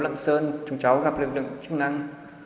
lạng sơn chúng cháu gặp lực lượng chức năng